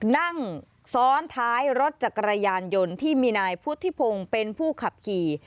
นั่งซ้อนท้ายรถจักรยานยนต์ที่มีนายพุทธิพงศ์เป็นผู้ขับขี่